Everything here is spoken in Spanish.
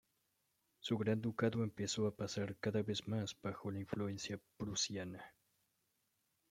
Su gran ducado empezó a pasar cada vez más bajo la influencia prusiana.